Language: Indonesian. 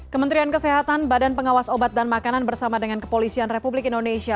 kementerian kesehatan badan pengawas obat dan makanan bersama dengan kepolisian republik indonesia